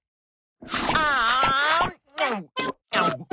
あん。